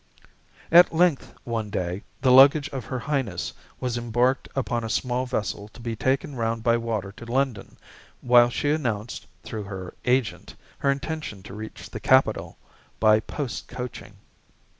At length one day, the luggage of her Highness was embarked upon a small vessel to be taken round by water to London, while she announced, through her "agent," her intention to reach the capital by post coaching.